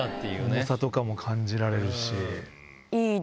重さとかも感じられるし。